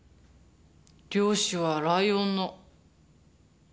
漁師はライオンの。